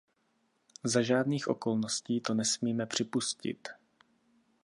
Za žádných okolností to nesmíme připustit.